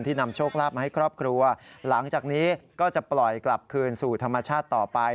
นำโชคลาภมาให้ครอบครัวหลังจากนี้ก็จะปล่อยกลับคืนสู่ธรรมชาติต่อไป